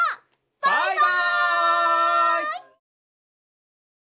バイバイ！